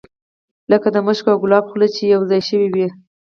لکه د مشکو او ګلابو خوله چې یو ځای شوې وي.